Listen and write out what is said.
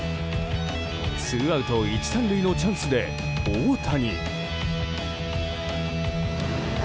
ツーアウト１、３塁のチャンスで大谷。